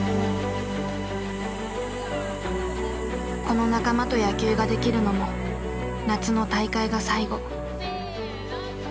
この仲間と野球ができるのも夏の大会が最後。